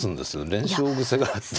連勝癖があって。